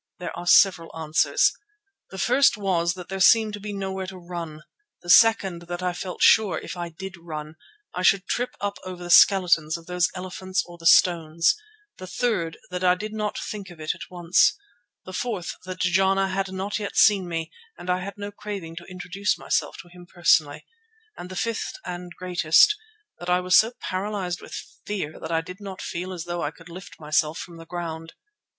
There are several answers. The first was that there seemed to be nowhere to run; the second, that I felt sure, if I did run, I should trip up over the skeletons of those elephants or the stones; the third, that I did not think of it at once; the fourth, that Jana had not yet seen me, and I had no craving to introduce myself to him personally; and the fifth and greatest, that I was so paralysed with fear that I did not feel as though I could lift myself from the ground.